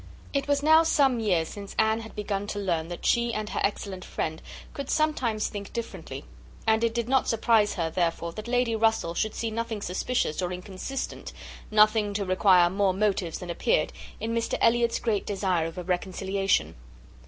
It was now some years since Anne had begun to learn that she and her excellent friend could sometimes think differently; and it did not surprise her, therefore, that Lady Russell should see nothing suspicious or inconsistent, nothing to require more motives than appeared, in Mr Elliot's great desire of a reconciliation.